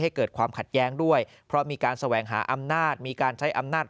ให้เกิดความขัดแย้งด้วยเพราะมีการแสวงหาอำนาจมีการใช้อำนาจ